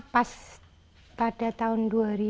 pas pada tahun dua ribu